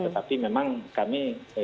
tetapi memang kami